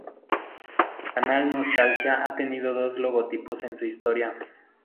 Canal Nostalgia ha tenido dos logotipos en su historia.